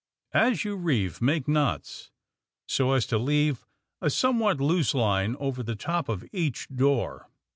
As you reeve, make knots, so as to leave a some what loose line over the top of each door.